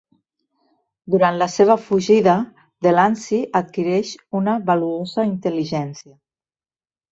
Durant la seva fugida, Delancey adquireix una valuosa intel·ligència.